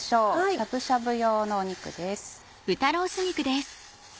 しゃぶしゃぶ用の肉です。